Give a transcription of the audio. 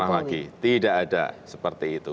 ini salah lagi tidak ada seperti itu